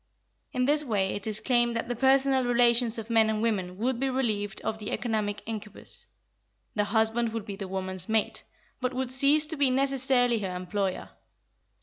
In this way it is claimed that the personal relations of men and women would be relieved of the economic incubus: the husband would be the woman's mate, but would cease to be necessarily her employer.